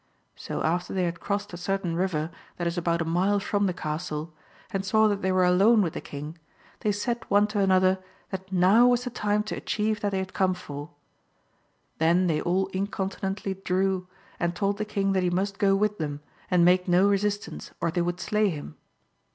So after they had crossed a certain river that is about a mile from the castle, and saw that they wxre alone with the King, they said one to another that now was the time to achieve that they had come for. Then they all incontinently drew, and told the King that he must go with them and make no resistance, or they would slay him.